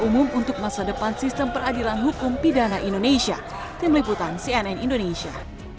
umum untuk masa depan sistem peradilan hukum pidana indonesia tim liputan cnn indonesia